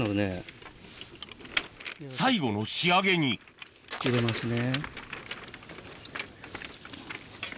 最後の仕上げに入れますね。